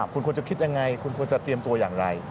คุณควรจะคิดยังไงคุณควรจะเตรียมตัวอย่างไร